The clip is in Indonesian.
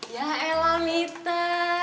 ya elah mita